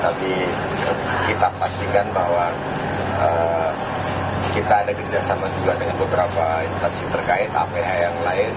tapi kita pastikan bahwa kita ada kerjasama juga dengan beberapa instansi terkait aph yang lain